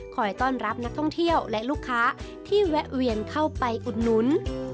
ต้อนรับนักท่องเที่ยวและลูกค้าที่แวะเวียนเข้าไปอุดหนุน